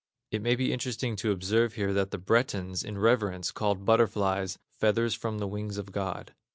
It may be interesting to observe here that the Bretons in reverence called butterflies, "feathers from the wings of God."